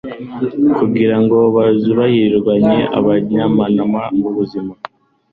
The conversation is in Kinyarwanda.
kugira ngo bazirwanye. abajyanama b'ubuzima